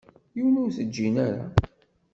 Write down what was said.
Yiwen ur t-ǧǧin ara.